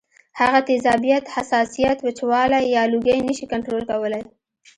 هغه تیزابیت ، حساسیت ، وچوالی یا لوګی نشي کنټرول کولی